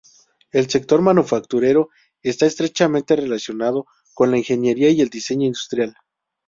El sector manufacturero está estrechamente relacionado con la ingeniería y el diseño industrial.